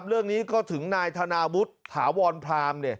เรื่องนี้ก็ถึงนายธนาวุฒิถาวรพราม